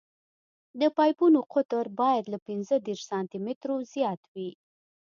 د پایپونو قطر باید له پینځه دېرش سانتي مترو زیات وي